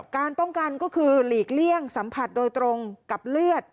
การป้องกันก็คือหลีกเลี่ยงสัมผัสโดยตรงกับเลือด